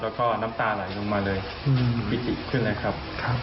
แล้วก็น้ำตาไหลลงมาเลยมิติขึ้นเลยครับ